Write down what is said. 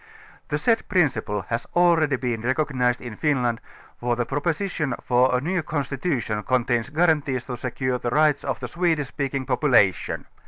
The said principle has already been recognized in Finland, for the projwsition for a new constitution contains guarantees to secure the rights of the Swedish speaking po pulation.